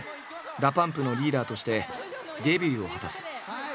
ＤＡＰＵＭＰのリーダーとしてデビューを果たす。